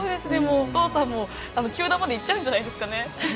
お父さんも球団まで行っちゃうんじゃないですかね。